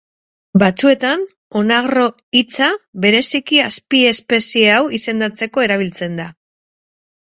Batzuetan onagro hitza bereziki azpiespezie hau izendatzeko erabiltzen da.